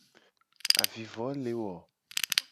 Avivo le wo.